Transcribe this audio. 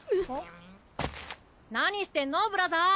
何してんのブラザー。